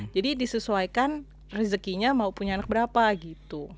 jadi disesuaikan rezekinya mau punya anak berapa gitu